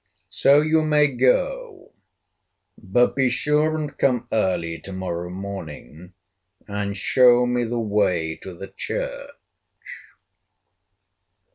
So you may go, but be sure and come early to morrow morning, and show me the way to the church."